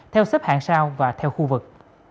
theo xếp hạng sao và theo khu vực